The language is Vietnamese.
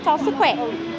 cho sức khỏe